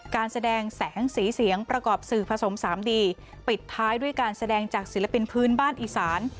การแสดงแสงสีเสียงประกอบสื่อผสมสามดีปิดท้ายด้วยการแสดงจากศิลปินพื้นบ้านอีสาน